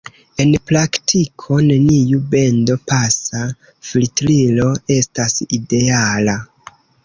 En praktiko, neniu bendo-pasa filtrilo estas ideala.